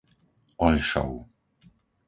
Oľšov